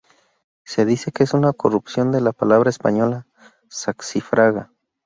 Se dice que es una corrupción de la palabra española saxifraga.